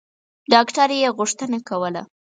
ډاکټر یې غوښتنه کوله.